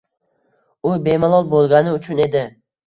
U bemalol bo’lgani uchun edi.